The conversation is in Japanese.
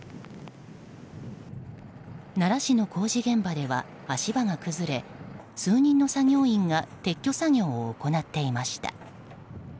奈良市の工事現場では足場が崩れ数人の作業員が撤去作業を行っていました。